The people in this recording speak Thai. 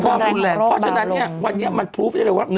เพราะฉะนั้นเนี่ยวันนี้มันพลูฟได้เลยว่า